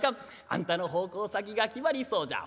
あんたの奉公先が決まりそうじゃ。